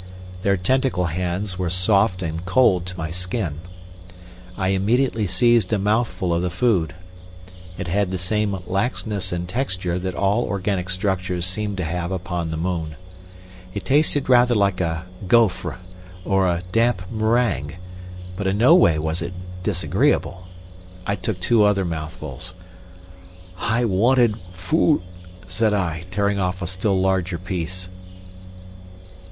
Their tentacle hands were soft and cold to my skin. I immediately seized a mouthful of the food. It had the same laxness in texture that all organic structures seem to have upon the moon; it tasted rather like a gauffre or a damp meringue, but in no way was it disagreeable. I took two other mouthfuls. "I wanted—foo'!" said I, tearing off a still larger piece....